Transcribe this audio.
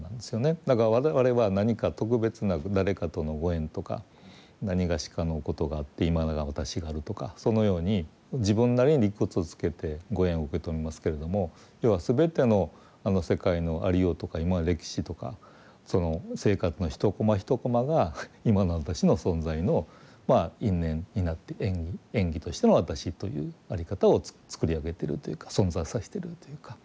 だから我々は何か特別な誰かとのご縁とかなにがしかのことがあって今の私があるとかそのように自分なりに理屈つけてご縁を受け止めますけれども要は全ての世界のありようとか歴史とか生活の１コマ１コマが今の私の存在の因縁になって縁起としての私という在り方をつくり上げているというか存在させているというか。